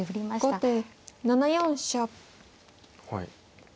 後手７四飛車。